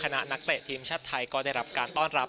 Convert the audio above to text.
นักเตะทีมชาติไทยก็ได้รับการต้อนรับ